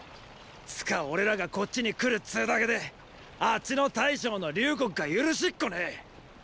つか俺らがこっちに来るっつーだけであっちの大将の隆国が許しっこねェ。